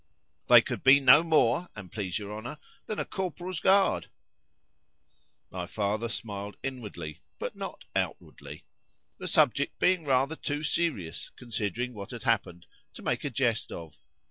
—They could be no more, an' please your Honour, than a Corporal's Guard.—My father smiled inwardly, but not outwardly—the subject being rather too serious, considering what had happened, to make a jest of.